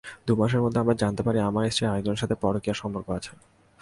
দুই মাসের মধ্যে জানতে পারি আমার স্ত্রীর আরেকজনের সঙ্গে পরকীয়ার সম্পর্ক আছে।